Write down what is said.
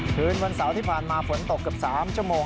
คืนวันเสาร์ที่ผ่านมาฝนตกเกือบ๓ชั่วโมง